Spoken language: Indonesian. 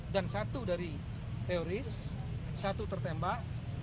dan satu dari teoris satu tertembak